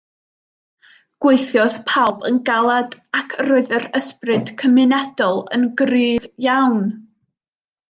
Gweithiodd pawb yn galed ac roedd yr ysbryd cymunedol yn gryf iawn